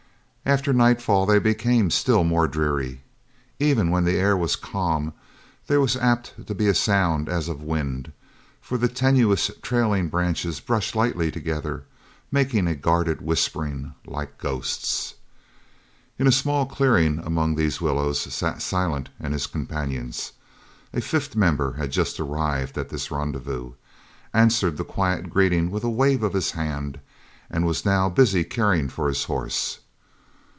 After nightfall they became still more dreary. Even when the air was calm there was apt to be a sound as of wind, for the tenuous, trailing branches brushed lightly together, making a guarded whispering like ghosts. In a small clearing among these willows sat Silent and his companions. A fifth member had just arrived at this rendezvous, answered the quiet greeting with a wave of his hand, and was now busy caring for his horse.